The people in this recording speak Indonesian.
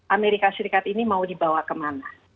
amerika serikat ini mau dibawa kemana